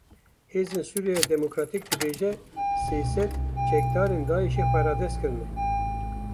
Hêzên Sûriya Demokratîk dibêje, sê sed çekdarên Daişê xwe radest kirine.